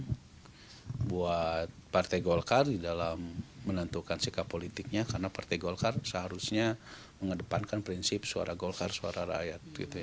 ini buat partai golkar di dalam menentukan sikap politiknya karena partai golkar seharusnya mengedepankan prinsip suara golkar suara rakyat